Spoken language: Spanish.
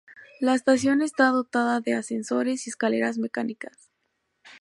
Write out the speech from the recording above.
La estación está dotada de ascensores y escaleras mecánicas.